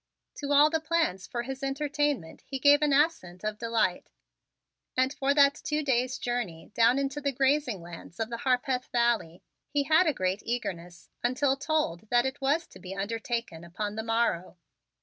To all the plans for his entertainment he gave an assent of delight and for that two days' journey down into the grazing lands of the Harpeth Valley he had a great eagerness until told that it was to be undertaken upon the morrow.